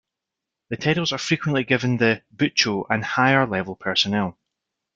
The titles are frequently given to "bucho" and higher-level personnel.